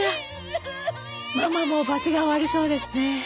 ママもバツが悪そうですね。